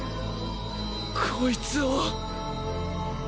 こいつを。